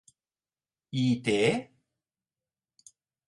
I té.?